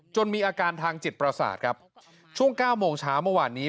จนมีอาการทางจิตปราศาสตร์ครับช่วงเก้าโมงช้าเมื่อวันนี้